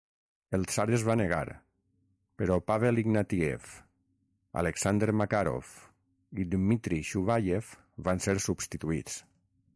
El tsar es va negar, però Pavel Ignatieff, Alexander Makarov i Dmitry Shuvayev van ser substituïts.